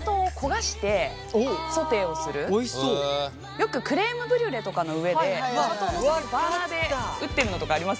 よくクレームブリュレとかの上でお砂糖を載せてバーナーでうってるのとかありますよね？